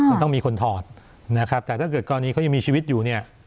มันต้องมีคนถอดนะครับแต่ถ้าเกิดกรณีเขายังมีชีวิตอยู่เนี่ย